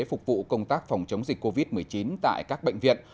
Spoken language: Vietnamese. phục vụ công tác phòng chống dịch covid một mươi chín tại các bệnh viện